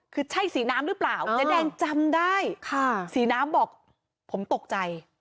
คือใช่สีน้ำหรือเปล่าเจ๊แดงจำได้ค่ะสีน้ำบอกผมตกใจ